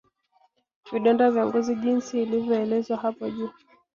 Vidonda vya ngozi jinsi ilivyoelezwa hapo juu